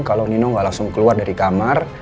kalau nino nggak langsung keluar dari kamar